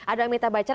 ada amita bacan